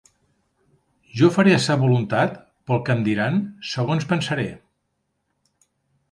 Jo faré a sa voluntat, pel que em diran, segons pensaré.